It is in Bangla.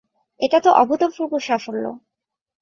এটা তো অভূতপূর্ব সাফল্য।